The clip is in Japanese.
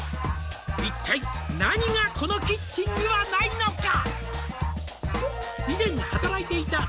「一体何がこのキッチンにはないのか？」